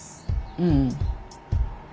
うん。